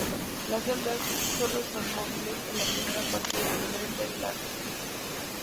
Las hembras solo son móviles en la primera parte del primer estadio larvario.